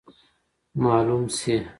معلومه سي.